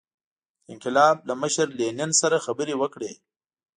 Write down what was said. د انقلاب له مشر لینین سره خبرې وکړي.